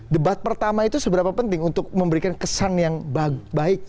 debat pertama itu seberapa penting untuk memberikan kesan yang baik